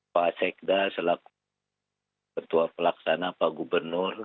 pak sekda selaku ketua pelaksana pak gubernur